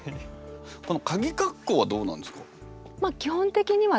このかぎ括弧はどうなんですか？